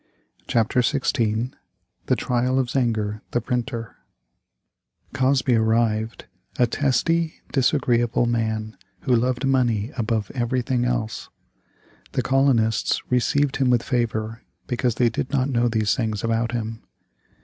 CHAPTER XVI THE TRIAL of ZENGER, the PRINTER Cosby arrived; a testy, disagreeable man who loved money above everything else. The colonists received him with favor, because they did not know these things about him.